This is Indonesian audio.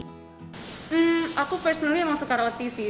hmm aku personalnya emang suka roti sih